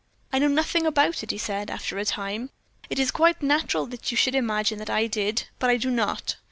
"I know nothing about it," he said, after a time. "It is quite natural that you should imagine that I did, but I do not.